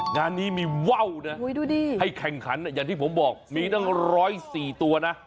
งานนี้มีว่าวนะให้แข่งขันอย่างที่ผมบอกมีตั้ง๑๐๔ตัวนะ